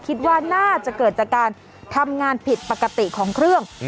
คิดว่าน่าจะเกิดจากการทำงานผิดปกติของเครื่อง